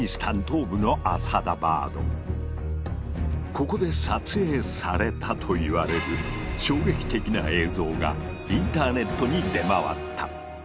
ここで撮影されたといわれる衝撃的な映像がインターネットに出回った。